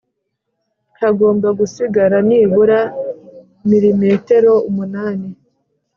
hagomba gusigara nibura milimetero umunani.